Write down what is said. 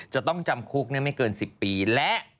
จะต้องจำคุกไม่เกิน๑๐ปีและ